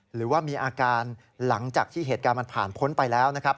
หรือว่ามีอาการหลังจากที่เหตุการณ์มันผ่านพ้นไปแล้วนะครับ